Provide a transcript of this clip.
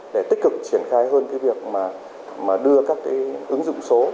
để tích cực triển khai hơn việc đưa các ứng dụng số